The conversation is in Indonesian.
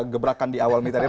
gebrakan di awal mkhitaryan